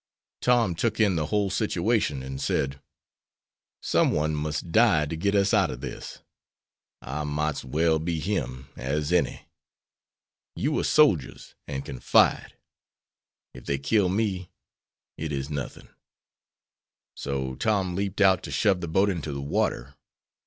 Tom took in the whole situation, and said: 'Someone must die to get us out of this. I mought's well be him as any. You are soldiers and can fight. If they kill me, it is nuthin'.' So Tom leaped out to shove the boat into the water.